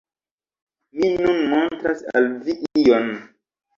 Mi nun montras al vi ion...